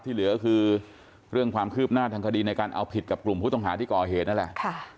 เหลือคือเรื่องความคืบหน้าทางคดีในการเอาผิดกับกลุ่มผู้ต้องหาที่ก่อเหตุนั่นแหละ